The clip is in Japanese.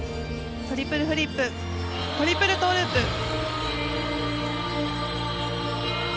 トリプルフリップトリプルトウループ。